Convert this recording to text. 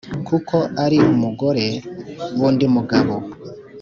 Kuko ari umugore w’ undi mugabo